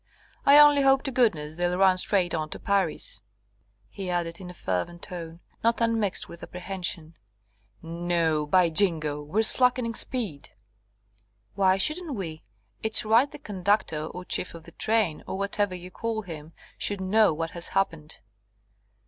"I only hope to goodness they'll run straight on to Paris," he added in a fervent tone, not unmixed with apprehension. "No! By jingo, we're slackening speed ." "Why shouldn't we? It's right the conductor, or chief of the train, or whatever you call him, should know what has happened."